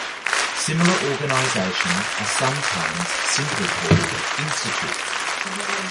Similar organisation are sometimes simply called Institutes.